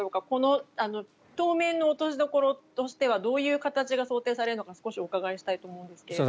この当面の落としどころとしてはどういう形が想定されるのか少しお伺いしたいと思うんですが。